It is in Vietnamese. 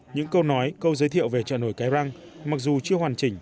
những câu nói câu giới thiệu về trợ nổi cái răng mặc dù chưa hoàn chỉnh